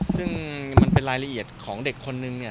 ซึ่งมันเป็นรายละเอียดของเด็กคนนึงเนี่ย